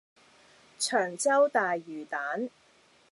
長洲大魚蛋